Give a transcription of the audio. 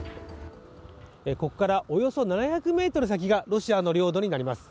ここからおよそ７００ｍ先がロシアの領土になります。